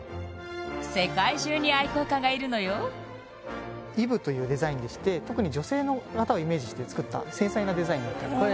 世界中に愛好家がいるのよイヴというデザインでして特に女性の方をイメージして作った繊細なデザインになっております